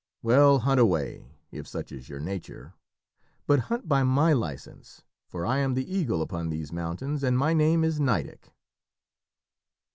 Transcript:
Well, hunt away, if such is your nature; but hunt by my licence, for I am the eagle upon these mountains, and my name is Nideck!'"